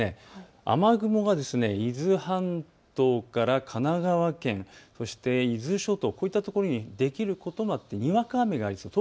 雨雲が伊豆半島から神奈川県、そして伊豆諸島、こういったところにできることもあってにわか雨もありそうです。